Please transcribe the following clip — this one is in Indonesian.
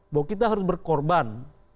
bahwa kita harus berkorban